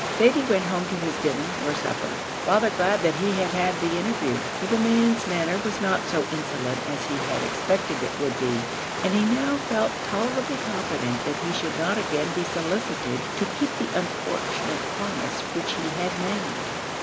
Thady went home to his dinner or supper rather glad that he had had the interview, for the man's manner was not so insolent as he had expected it would be; and he now felt tolerably confident that he should not again be solicited to keep the unfortunate promise which he had made.